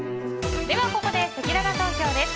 ここでせきらら投票です。